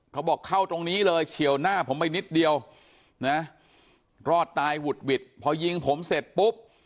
เขาบอกเข้าตรงนี้เลยเฉียวหน้าผมไปนิดเดียวนะรอดตายหุดหวิดพอยิงผมเสร็จปุ๊บ